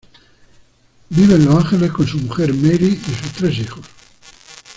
Vive en Los Ángeles con su mujer Mary y sus tres hijos.